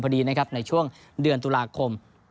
พอดีนะครับในช่วงเดือนตุลาคม